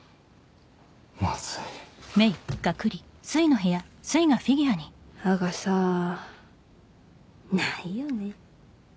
まずいアガサないよね？